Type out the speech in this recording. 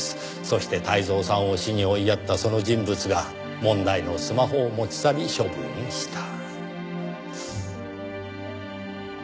そして泰造さんを死に追いやったその人物が問題のスマホを持ち去り処分した。